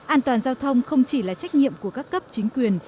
an toàn giao thông không chỉ là trách nhiệm của các cấp chính quyền